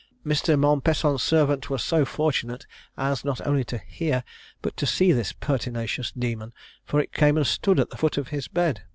Mr. Mompesson's servant was so fortunate as not only to hear, but to see this pertinacious demon; for it came and stood at the foot of his bed.